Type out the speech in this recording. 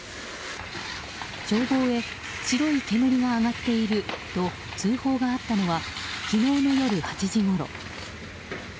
消防へ白い煙が上がっていると通報があったのは昨日の夜８時ごろ。